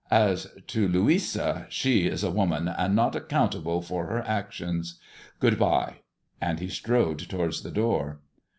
As to Lol she is a woman, and not accountable for her i Good bye !" and he strode towards the door.